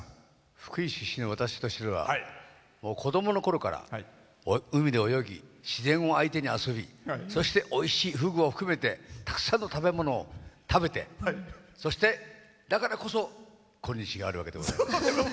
福井出身の私としては子どものころから海で泳ぎ自然を相手に遊び、そしておいしいふぐを含めてたくさんの食べ物を食べてそして、だからこそ今日があるわけでございます。